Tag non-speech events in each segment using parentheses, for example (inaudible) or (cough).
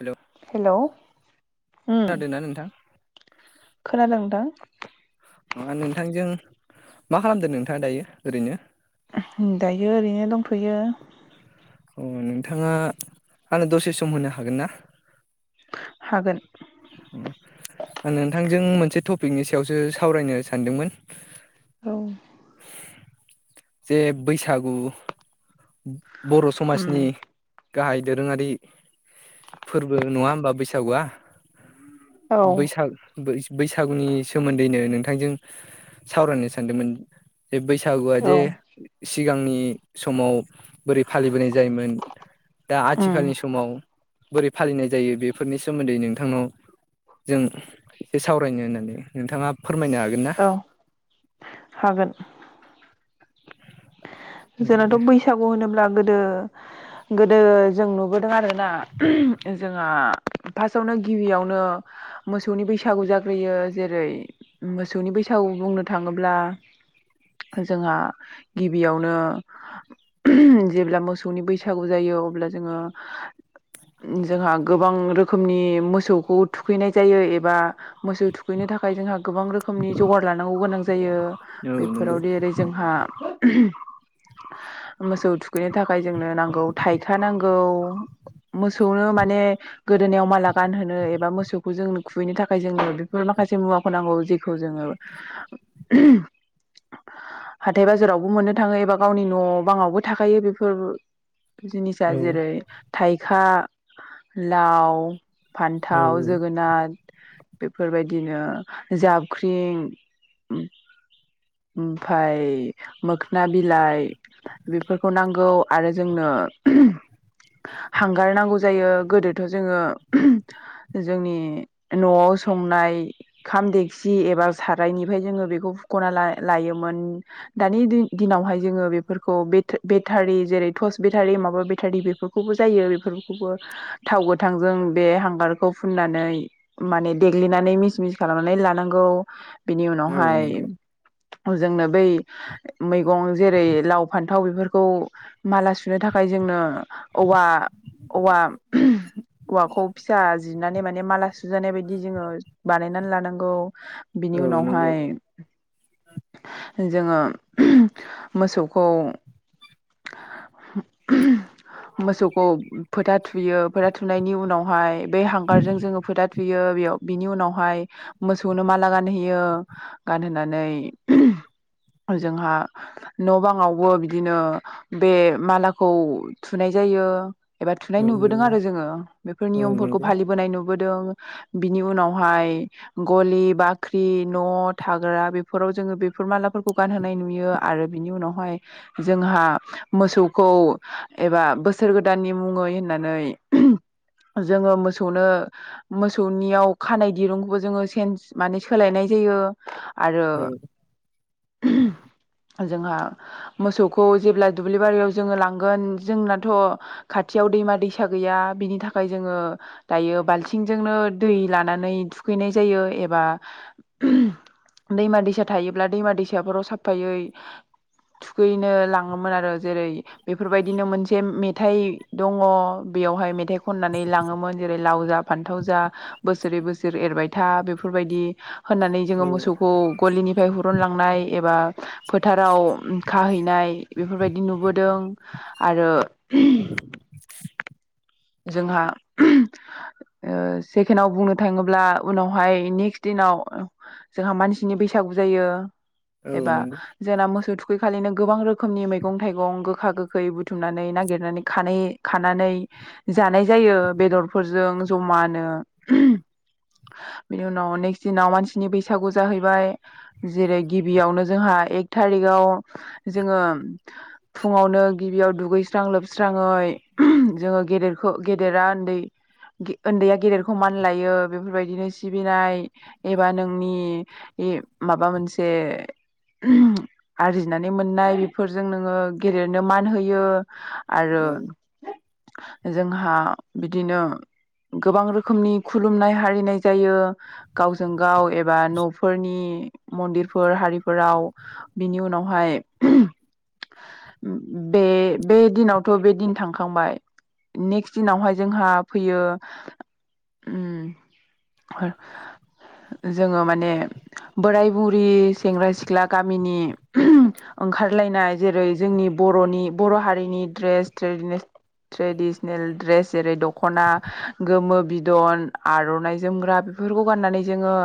Hello hello उम खोनादोंना नोंथां खोनादों नोंथां? नोंथांजों मा खालामदों नोंथांङा दायो ओरैनो? दायो ओरैनो दंथ'यो। अ नोंथांङा आंनो दसे सम होनो हागोन ना? हागोन। अ आं नोंथांजों मोनसे टपिकनि सायावसो सावरायनो सानदोंमोन। औ। जे बैसागु बर' उम समाजनि गाहाय दोरोंङारि फोरबो नङा होमबा बैसागुआ बैसाग बै बैसागुनि सोमोन्दैनो नों नोंजों सावरायनो सानदोंमोन जे बैसागुआ जे सिगांनि समाव बोरै फालिबोनाय जायोमोन दा आथिखालनि समाव बोरै फालिनाय जायो बेफोरनि सोमोन्दै नों नोंथांनाव जों एसे सावरायनो होननानै नोंथांङा औ हागोन। औ दे जोंनाथ' बैसागु होनोब्ला गोदो गोदो गोदो जों नुबोदों आरोना जोंहा फार्स्टआवनो गिबियावनो मोसौनि बैसागु जाग्रोयो जेरै मोसौनि बैसागु बुंनो थांङोब्ला जोंहा गिबियावनो जेब्ला मोसौनि बैसागु जायो अब्ला जोङो जोंहा गोबां रोखोमनि मोसौखौ थुखैनाय जायो एबा मोसौ थुखैनो थाखाय जोंहा गोबां रोखोमनि जगार लानांगौ गोनां जायो। औ नंगौ बेफोरावदि ओरै जोंहा मोसौ थुखैनो थाखाय जोंनो नांगौ थाइखा नांगौ मोसौनो माने गोदोनायाव माला गानहोनो एबा मोसौखौ जों खुहैनो थाखाय जोंनो बेफोर माखासे मुवाखौ नांगौ जेखौ जोङो हाथाय बाजाराव मोननो थाङो एबा गावनि न' बाङावबो थाखायो बेफोरबो। जिनिस औ आ जेरै थाइखा लाव औ फान्थाव जोगोनार। बेफोरबायदिनो जाबख्रिं ओमफाय मोखोना बिलाइ बेफोरखौ नांगौ आरो जोंनो हांगार नांगौ जायो गोदोथ' जोङो जोंनि न'आव संनाय खाम देखसि एबा सारायनिफ्राय जोङो बेखौ फुख'ना ला लायोमोन। दानि दिन दिनावहाय जोङो बेफोरखौ बेटरि बेटारि जेरै टर्च बेटारि माबा बेटारि बेफोरखौबो जायो बेफोरखौबो थाव गोथांजों बे हांगारखौ फुननानै माने देग्लिनानै मिस मिस खालामनानै लानांगौ। बिनि औ औ उनावहाय नंगौ जोंनो बै मैगं जेरै लाव फान्थाव बेफोरखौ माला सुनो थाखाय जोंनो औवा औवा औवाखौ फिसा जिरनानै माने माला सुजानाय बायदि जोङो बानायनानै लानांगौ औ बिनि नंगौ उनावहाय जोङो मोसौखौ मोसौखौ फोथा थुयो फोथा थुनायनि उनावहाय बे हांगारजों जोङो फोथा थुयो बेयाव बिनि उनावहाय मोसौनो माला गानहोयो गानहोनानै जोंहा न' बाङावबो बिदिनो बे मालाखौ थुनाय जायो। एबा औ थुनाय नुबोदों नंगौ आरो जोङो बेफोर औ नियमफोरखौ नंगौ फालिबोनाय नुबो दों बिनि उनावहाय गलि बाख्रि न' थाग्रा बेफोराव जोङो बेफोर मालाफोरखौ गानहोनाय नुयो आरो बिनि उनावहाय जोंहा मोसौखौ एबा बोसोर गोदाननि मुङै होननानै जोङो मोसौनो मोसौनियाव खानाय दिरुंखौबो जोङो सेन्स माने सोलायनाय जायो। औ आरो जोंहा मोसौखौ जेब्ला दुब्लि बारियाव जोङो लांगोन जोंनाथ' खाथियाव दैमा दैसा गैया बिनि थाखाय जोङो दायो बालथिंजोंनो दै लानानै थुखैनाय जायो एबा दैमा दैसा थायोब्ला दैमा दैसाफोराव साफफायै थुखैनो मोन आरो जेरै बेफोरबायदिनो मोनसे मेथाइ दङ बेयावहाय मेथाइ खननानै लाङोमोन जेरै लाव जा फान्थाव जा बोसोरै बोसोर एरबाय था बेफोरबायदि होननानै औ नंगौ औ जोङो मोसौखौ गलिनिफ्राय हुरुनलांनाय एबा फोथाराव खाहैनाय। बेफोरबायदि नुबोदों आरो जोंहा ओ सेकेणडआव बुंनो थाङोब्ला उनावहाय नेक्स्ट दिनाव जोंहा मानसिनि बैसागु जायो। एबा जेनना मोसौ थु बैखालिनो गोबां रोखोमनि मैगं थाइगं गोखा गोखै बुथुमनानै नागिरनानै खानाय खानानै जानाय जायो बेदरफोरजों जमानो बेनि उनाव नेक्स्ट दिनाव मानसिनि बैसागु जाहैबाय जेरै गिबियावनो जोंहा एक थारिख'आव जोङो फुङावनो गिबियाव दुगैस्रां लोबस्राङै जोङो गेदेर खो गेदेरा उन्दै उन्दैया गेदेरखौ मान लायो बेफोरबायदिनो सिबिनाय एबा नोंनि ए माबा मोनसे आरजिनानै मोननाय बेफोरजों नोङो गेदेरनो मान होयो। आरो जोंहा बिदिनो गोबां रोखोमनि खुलुमनाय हारिनाय जायो गावजों गाव एबा न'फोरनि मन्दिरफोर हारिफोराव बिनि उनावहाय बे बे दिनावथ' बे दिन थांखांबाय। नेक्स्ट दिनावहाय जोंहा फैयो उम फोर जोङो माने बोराय बुरि सेंग्रा सिख्ला गामिनि ओंखारलायनाय जेरै जोंनि बरनि बर' हारिनि ड्रेस ट्रेडिनेसनेल ट्रेडिसनेल द्रेस जेरै दख'ना गोमो बिदन आर'नाइ जोमग्रा बेफोरखौ गाननानै जोङो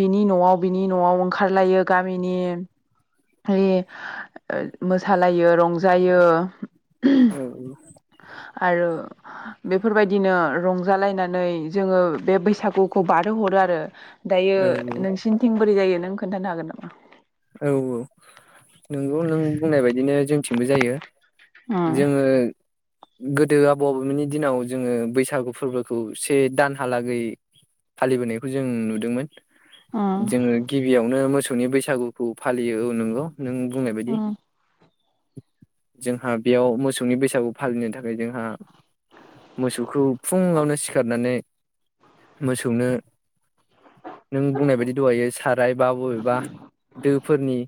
बिनि न'आव बिनि न'आव ओंखारलायो गामिनि ओ मोसालायो रंजायो। औ औ आरो बेफोरबायदिनो रंजालायनानै जोंङो बे बैसागुखौ बारहो हरो आरो। दायो औ औ नोंसिनिथिं बोरै जायो नों खोन्थानो हागोन नामा? औ औ नोंगौ नों बुंनाय बायदिनो जोंथिंबो जायो उम जोंङो गोदो आबौ-आबैमोननि दिनाव जोंङो बैसागु फोरबोखौ से दानहालागै फालिबोनायखौ जों नुदोंमोन। जोंङो गिबियावनो मोसौ सौनि बैसागु खौ फालियो औ नोंगौ नों बुंनाय बायदि जोंहा बेयाव मोसौनि बैसागु फालिनो थाखाय जोंहा मोसौखौ फुंङावनो सिखारनानै मोसौनो नों बुंनाय बायदि दहायो सारायबा बबेबा दो फोरनि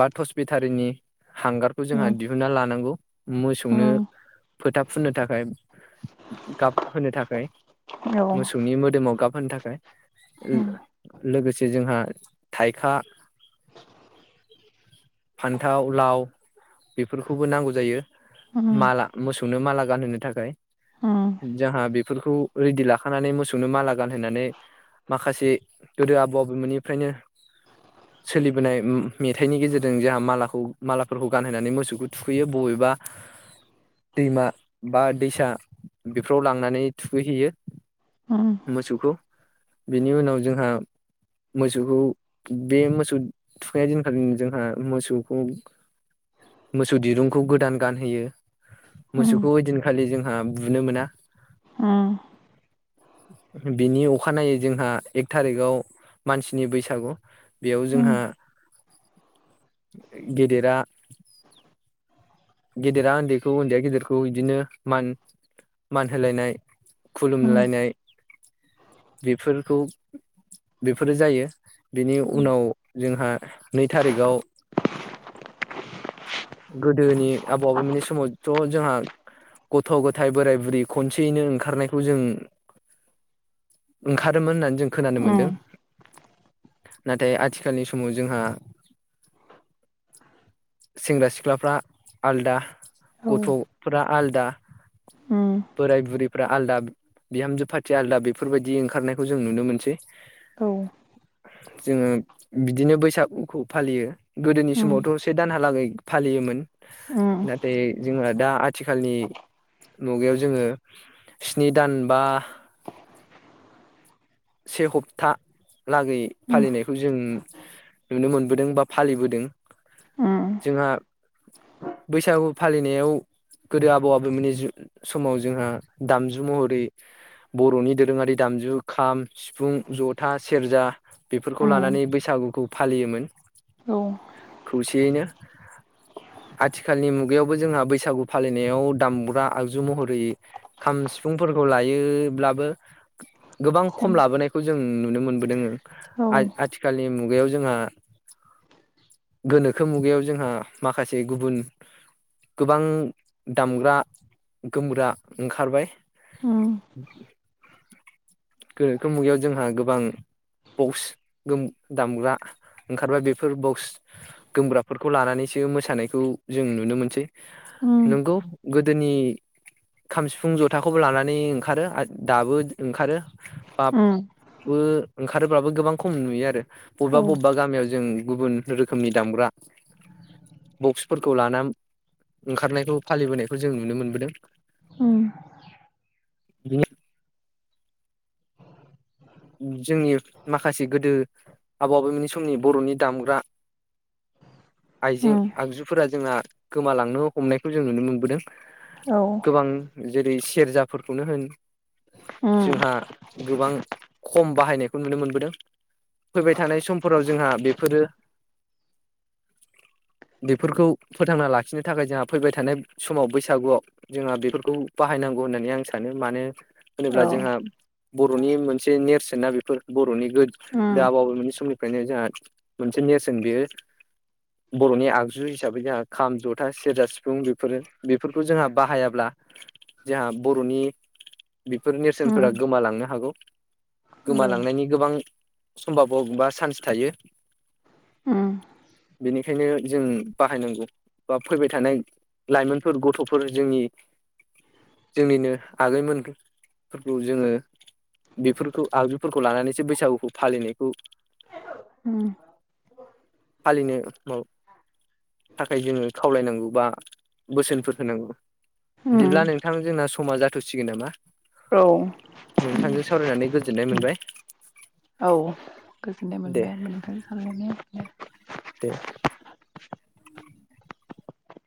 बा ट'स बेटारिनि हांगारखौ जोंहा दिहुनना लानांगौ मोसौनो फोथा फुननो थाखाय गाब होनो थाखाय मोसौनि मोदोमाव गाब होनो थाखाय लो-लोगोसे जोंहा थाइखा फान्थाव लाव बेफोरखौबो नांगौ जायो माला मोसौनो माला गानहोनो थाखाय जाहा बेफोरखौ रेडि लाखानानै मोसौनो माला गानहोनानै माखासे गोदो आबौ-आबैमोननि फ्रायनो सोलिबोनाय उय मेथाइनि गेजेरजों जोंहा मालाखौ मालाफोरखौ गानहोनानै मोसौखौ थुखैयो बबेबा दैमा बा दैसा बेफोराव लांनानै थुखैहैयो। मोसौखौ बिनि उनाव जोंहा मोसौखौ बे मोसौ थुखैनाय दिनखालिनो जोंहा मोसौखौ मोसौ दिरुंखौ गोदान गानहोयो। मोसौखौ ओइदिनखालि जों ओ‌ बुनो मोना उम बिनि अखानायै जोंहा एक थारिगाव मानसिनि बैसागु बेयाव जोंहा गेदेरा गेदेरा ओन्दैखौ ओन्दैया गेदेरखौ इदिनो मान मान होलायनाय खुलुमलायनाय बेफोरखौ बेफोरो जायो बेनि उनाव जोंहा नै थारिखआव गोदोनि आबौ आबैमोननि समावथ' जोंहा गथ' गथाय बोराय बुरै खनसेयैनो ओंखारनायखौ जों ओंखारोमोन होननानै जों खोनानो मोन्दों। नाथाय आथिखालनि समाव जोंहा सेंग्रा सिख्लाफ्रा आलदा गथ'फ्रा आलदा बोराय बुरि फोरा आलदा बिहामजो फारथि आलदा बेफोरबायदि ओंखारनायखौ जों नुनो मोनसै ‌ जोङो बिदिनो बैसागुखौ फालियो। गोदोनि समावथ' से दानहालागै फालियोमोन नाथाय जोंहा दा आथिखालनि मुगायाव जोङो स्नि दान बा से हप्ता लागै फालिनायखौ जों नुनो मोनबोदों बा फालिबोदों जोंहा बैसागु फालिनायाव गोदो आबौ आबौमोननि जु समाव जोंहा दामजु महरै बर'नि दोरोङारि दामजु खाम, सिफुं, ओंज था सेरजा बेफोरखौ लानानै बैसागुखौ फालियोमोन। औ। खौसेयैनो आथिखालनि मुगायावबो जोंहा बैसागु फालिनायाव दामग्रा आगजु महरै खाम सिफुंफोरखौ लायोब्लाबो गोबां खम लाबोनायखौ जों नु नुनो मोनबोदोंङो। आ आथिखालनि मु मुगायाव जोंहा गोनोखो मुगायाव जोंहा माखासे गुबुन गोबां दामग्रा गोमग्रा ओंखारबाय (inaudible) गोनोखो मुगायाव जोंहा गोब गोबां बक्स गोम दामग्रा ओंखारबाय बेफोर बक्स गोमग्राफोर खौ लानानैसो मोसानायखौ जों नुनो मोनसै। नंगौ गोदोनि खाम, सिफुं, जथाखौबो लानानै ओंखारो दाबो ओंखारो। बाबो उम। ओंखारोब्लाबो गोबां खम नुयो आरो। बबेबा बबेबा गामियाव जोंनि गुबुन रोखोमनि दामग्रा बक्सफोरखौ लाना ओंखारनायखौ फालिबोनायखौ जों नुनो मोनबोदों। जोंनि माखासे गोदो आबौ आबौमोननि समनि बर'नि दामग्रा आइजें आगजुफोरा जोंहा गोमालांनो हमनायखौ जों नुनो मोनबोदों। गोबां जेरै सेरजाफोरखौनो होन जोंहा गोबां खम बाहायनायखौ नुनो मोनबोदों फैबाय थानाय समफोराव जोंहा बेफोरो बेफोरखौ फोथांना लाखिनो थाखाय जोंहा फैबाय थानाय समाव बैसागुआव जोंहा बेफोरखौ बाहायनांगौ होननानै आं सानो मानो होनोब्ला जोंहा बर'नि मोनसे मोनसे नेरसोन ना बेफोर बर'नि गोद दा बबे मोननि समनिफ्रायनो जोंहा मोनसे नेरसोन बेयो बर'नि आगजु हिसाबै जोंहा खाम जथा सेरजा सिफुं बेफोरो बेफोरखौ जोंहा बाहायाब्ला जोंहा बर'नि बेफोर नेरसोनफोरा गोमालांनो हागौ। गोमालांनायनि गोबां समभाबाव बा चान्स थायो बेनिखायनो जों बाहायनांगौ बा फैबाय थानाय लाइमोनफोर गथ'फोर जोंनि जोंनिनो आगैमोनफोरखौ जोङो बेफोरखौ आगिफोरखौ लानानैसो बैसागुखौ फालिनायखौ उम फालिनो थाखाय जोङो खावलायनांगौ बा बोसोनफोर होनांगौ बिदिब्ला नोंथां जोंना समा जाथ'सिगोन नामा? औ नोंथांजों सावरायनानै गोजोननाय मोनबाय। औ गोजोननाय दे मोनबाय आंबो नोंथांजों सावरायनानै (unintelligible)